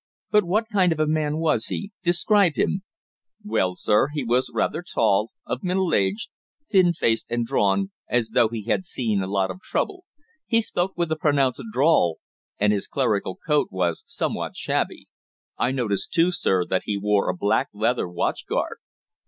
"But what kind of a man was he? Describe him." "Well, sir, he was rather tall, of middle age, thin faced and drawn, as though he had seen a lot of trouble. He spoke with a pronounced drawl, and his clerical coat was somewhat shabby. I noticed, too, sir, that he wore a black leather watch guard."